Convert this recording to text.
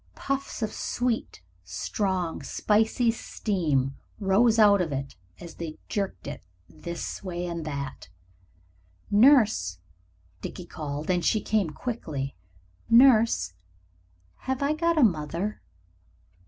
Puffs of sweet, strong, spicy steam rose out of it as they jerked it this way and that. "Nurse," Dickie called; and she came quickly. "Nurse, have I got a mother?"